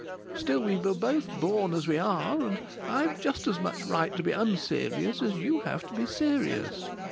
Still, we were both born as we are, and I've just as much right to be unserious as you have to be serious.